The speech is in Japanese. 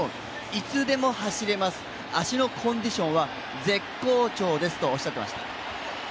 いつでも走れます、足のコンディションは絶好調ですとおっしゃっていました。